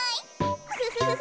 ウフフフフ。